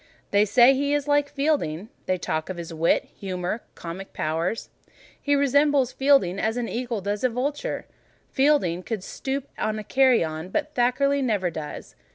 They say he is like Fielding: they talk of his wit, humour, comic powers. He resembles Fielding as an eagle does a vulture: Fielding could stoop on carrion, but Thackeray never does.